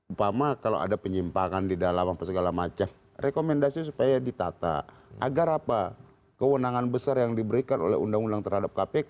umpama kalau ada penyimpangan di dalam apa segala macam rekomendasi supaya ditata agar apa kewenangan besar yang diberikan oleh undang undang terhadap kpk